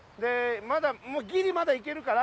まだギリまだ行けるから。